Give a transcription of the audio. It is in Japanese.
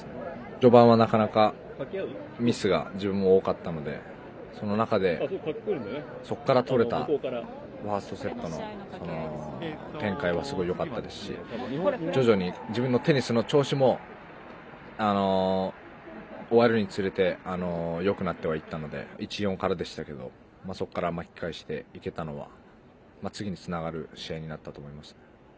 序盤はなかなかミスが自分も多かったのでそこから取れたファーストセットの展開はすごいよかったですし徐々に自分のテニスの調子も終わるにつれてよくなってはいったので１−４からでしたけどそこから巻き返していけたのは次につながる試合になったと思いますね。